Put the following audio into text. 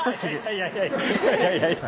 いやいやいやいや。